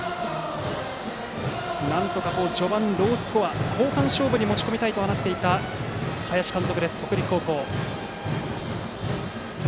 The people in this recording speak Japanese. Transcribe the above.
なんとか序盤、ロースコアで後半勝負に持ち込みたいと話していた北陸高校の林監督。